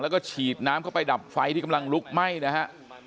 แล้วก็ฉีดน้ำเข้าไปดับไฟที่กำลังลุกไหม้นะฮะ